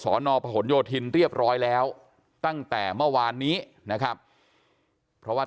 หมอสท์สตปะหลโยธินเรียบร้อยแล้วตั้งแต่เมื่อวานนี้นะครับ